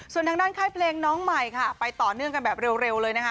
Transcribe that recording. ส่วนทางด้านค่ายเพลงน้องใหม่ค่ะไปต่อเนื่องกันแบบเร็วเลยนะคะ